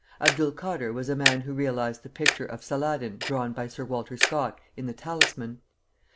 Abdul Kader was a man who realized the picture of Saladin drawn by Sir Walter Scott in the "Talisman."